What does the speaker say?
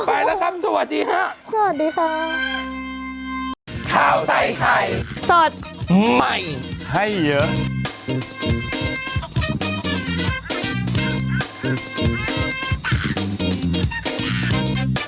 ไปแล้วครับสวัสดีค่ะ